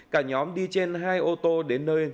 cả nhóm đi trên hai ô tô đến nơi